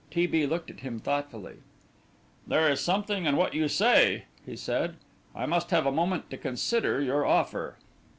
T. B. looked at him thoughtfully. "There is something in what you say," he said. "I must have a moment to consider your offer."